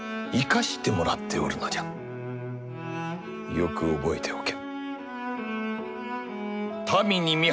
よく覚えておけ。